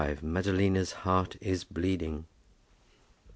MADALINA'S HEART IS BLEEDING.